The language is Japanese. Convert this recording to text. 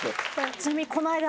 ちなみにこの間。